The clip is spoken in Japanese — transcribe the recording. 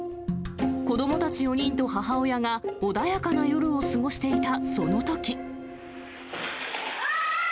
子どもたち４人と母親が穏やかな夜を過ごしていたそのとき。